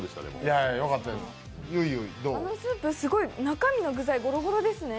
あのスープ、中身の具材、ゴロゴロですね。